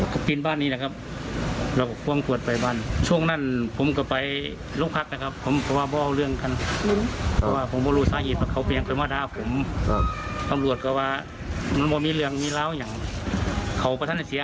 ขอบคุณครับ